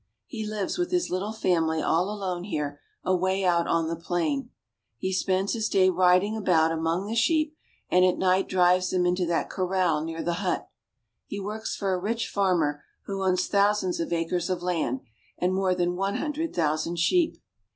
He lives with his little family all alone here, away out on the plain. He spends his day riding about among the sheep, and at night drives them into that corral near the hut. He works for a rich farmer who owns thousands of acres of land and more than one hundred thousand sheep.